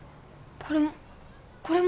これもこれも？